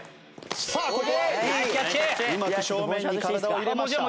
さあここはうまく正面に体を入れました。